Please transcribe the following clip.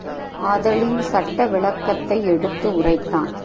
ஆதலின் சட்ட விளக்கத்தை எடுத்து உரைத்தான்.